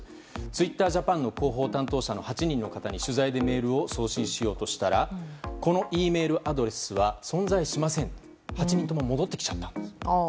ツイッタージャパンの広報担当者の８人の方に取材でメールを送ろうとしたらこのＥメールアカウントは存在しませんと８人とも戻ってきちゃったと。